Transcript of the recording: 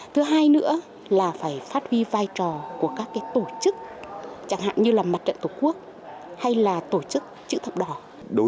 thứ hai nữa là phải phát huy vai trò của các tổ chức chẳng hạn như là mặt trận tổ quốc hay là tổ chức chữ thập đỏ